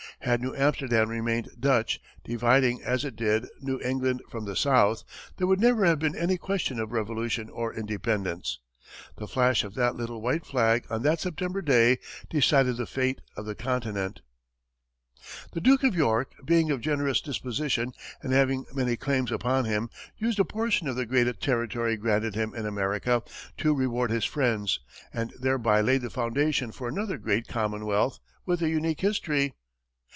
Had New Amsterdam remained Dutch, dividing, as it did, New England from the South, there would never have been any question of revolution or independence. The flash of that little white flag on that September day, decided the fate of the continent. The Duke of York, being of a generous disposition and having many claims upon him, used a portion of the great territory granted him in America to reward his friends, and thereby laid the foundation for another great commonwealth with a unique history.